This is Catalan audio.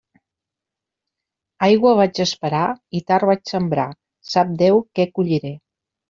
Aigua vaig esperar i tard vaig sembrar; sap Déu què colliré!